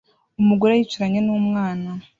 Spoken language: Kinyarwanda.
Umugore yicaranye numwana